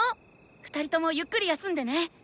２人ともゆっくり休んでね。